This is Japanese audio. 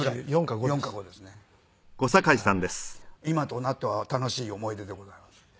今となっては楽しい思い出でございます。